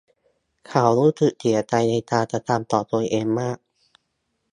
เขารู้สึกเสียใจในการกระทำของตัวเองมาก